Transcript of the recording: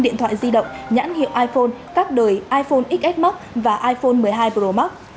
nhãn hiệu iphone các đời iphone xs max và iphone một mươi hai pro max